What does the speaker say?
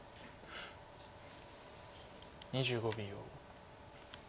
２５秒。